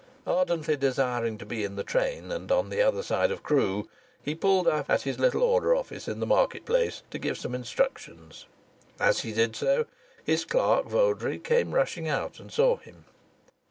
Ardently desiring to be in the train and on the other side of Crewe, he pulled up at his little order office in the market place to give some instructions. As he did so his clerk, Vodrey, came rushing out and saw him.